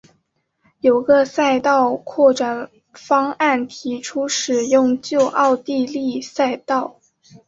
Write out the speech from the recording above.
有个赛道扩展方案提出使用旧奥地利赛道。